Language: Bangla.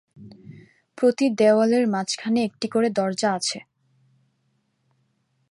প্রতি দেওয়ালের মাঝখানে একটি করে দরজা আছে।